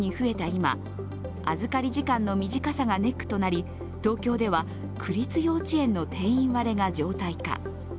今預かり時間の短さがネックとなり、東京では区立幼稚園の定員割れが常態化。